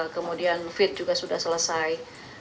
kemudian fit juga sudah selesai